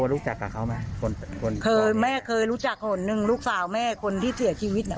คือแม่เคยรู้จักคนหนึ่งลูกสาวแม่คนที่เสียชีวิตน่ะ